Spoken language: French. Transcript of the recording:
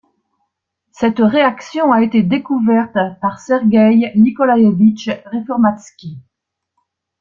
Cette réaction a été découverte par Sergey Nikolaevich Reformatsky.